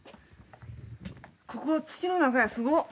ここ土の中やんすごっ。